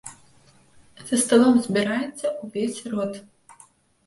За сталом збіраецца ўвесь род.